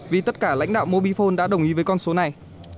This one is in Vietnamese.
vì tất cả lãnh đạo mobile phone đã đồng ý với con số này